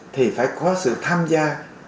thì phải có sự tham gia